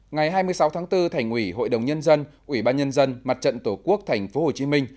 ngày hai mươi sáu tháng bốn thành ủy hội đồng nhân dân ủy ban nhân dân mặt trận tổ quốc tp hcm